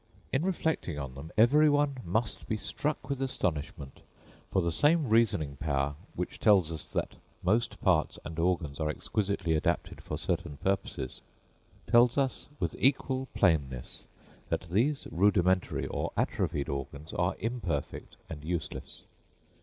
In reflecting on them, every one must be struck with astonishment; for the same reasoning power which tells us that most parts and organs are exquisitely adapted for certain purposes, tells us with equal plainness that these rudimentary or atrophied organs are imperfect and useless.